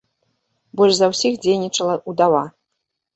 Больш за ўсіх дзейнічала ўдава.